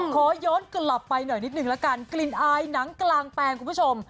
ขอย้อนกลับไปหน่อยนิดนึงละกันกลิ่นอายหนังกลางแปลงคุณผู้ชม